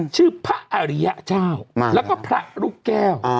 ชื่อพระอริยเจ้าแล้วก็พระลูกแก้ว